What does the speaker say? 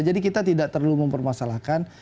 jadi kita tidak terlalu mempermasalahkan